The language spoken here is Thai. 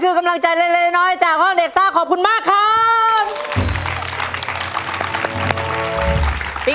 เอาละนั่นคือขอบคุณมากครับ